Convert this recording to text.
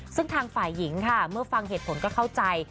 ซึ่งทางฝ่ายหญิงค่ะเมื่อฟังเหตุผลก็เข้าใจ